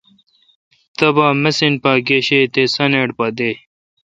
تبا مِسین پا گشے تے سانیٹ پا دے۔